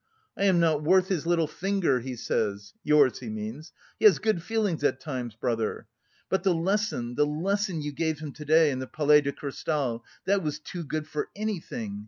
'I am not worth his little finger,' he says. Yours, he means. He has good feelings at times, brother. But the lesson, the lesson you gave him to day in the Palais de Cristal, that was too good for anything!